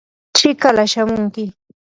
chikala shamunki.